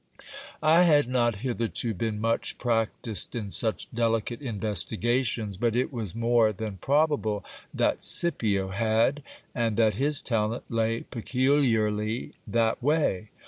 I had not hitherto been much practised in such delicate investigations, but it was more than probable that Scipio had, and that his talent lay peculiarly that way.